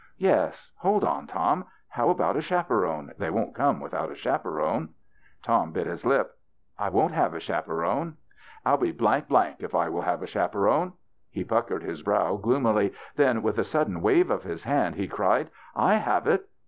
" Yes. Hold on, Tom. How about a chap eron ? They won't come without a chaperon." Tom bit his lip. " I won't have a chaperon. I'll be if I will have a chaperon." He puckered his brow gloomily; then, with a sudden wave of his hand, he cried, " I have it."